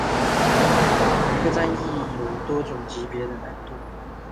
每个战役有多种级别的难度。